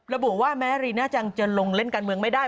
ระบุว่าแม้รีน่าจังจะลงเล่นการเมืองไม่ได้